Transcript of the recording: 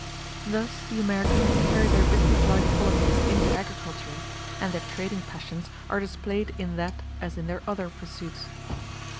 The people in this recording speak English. Thus the Americans carry their business like qualities into agriculture; and their trading passions are displayed in that as in their other pursuits.